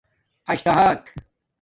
اژداھاک